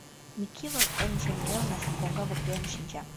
Микивыр эн шеҥгелне, коҥга воктене шинча.